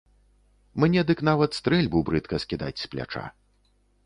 Мне дык нават стрэльбу брыдка скідаць з пляча.